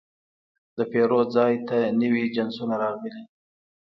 د پیرود ځای ته نوي جنسونه راغلي.